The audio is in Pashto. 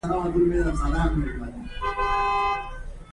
ملالۍ جنګ ته ور دانګي.